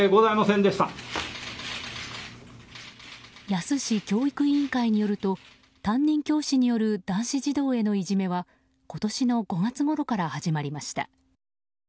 野洲市教育委員会によると担任教師による男性児童へのいじめは今年の５月ごろから始まりました。